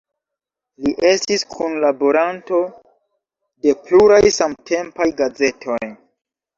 Li estis kunlaboranto de pluraj samtempaj gazetoj.